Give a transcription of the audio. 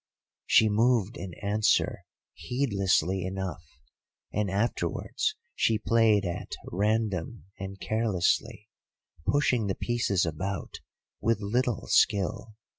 "She moved in answer heedlessly enough, and afterwards she played at random and carelessly, pushing the pieces about with little skill.